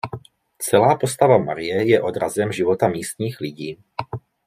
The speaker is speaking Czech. Celá postava Marie je odrazem života místních lidí.